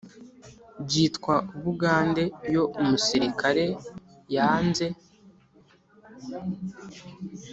Byitwa ubugande iyo umusirikare yanze